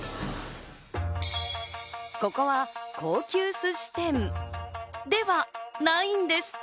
ここは高級寿司店ではないんです。